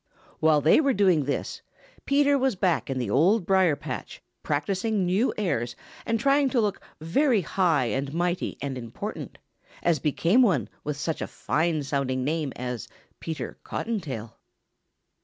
While they were doing this, Peter was back in the Old Briar patch practising new airs and trying to look very high and mighty and important, as became one with such a fine sounding name as Peter Cottontail.